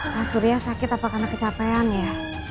pak surya sakit apa karena kecapean ya